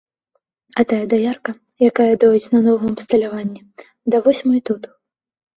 А тая даярка, якая доіць на новым абсталяванні, да восьмай тут.